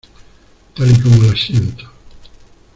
tal y como las siento.